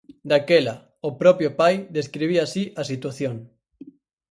Daquela, o propio pai describía así a situación.